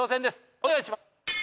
お願いします！